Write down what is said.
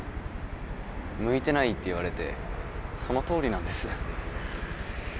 向いてないって言われてそのとおりなんです。